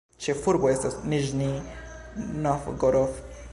Ĉefurbo estas Niĵnij Novgorod.